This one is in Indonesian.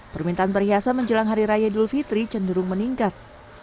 permintaan perhiasan menjelang hari raya idul fitri cenderung meningkat